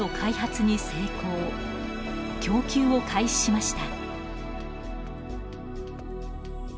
供給を開始しました。